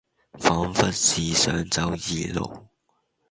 仿佛是想走異路，